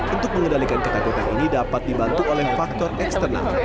untuk mengendalikan ketakutan ini dapat dibantu oleh faktor eksternal